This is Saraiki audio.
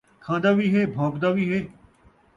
کھان٘دا وی ہے ، بھون٘کدا وی ہے